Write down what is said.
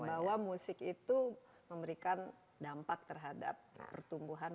bahwa musik itu memberikan dampak terhadap pertumbuhan